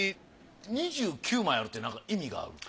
２９枚あるってなんか意味があるの？